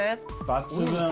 抜群。